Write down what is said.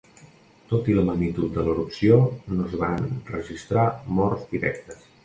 Tot i la magnitud de l'erupció no es van registrar morts directes.